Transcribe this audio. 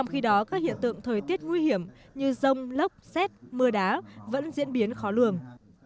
hiện tượng thời tiết nguy hiểm như rông lốc xét mưa đá vẫn diễn biến khó lường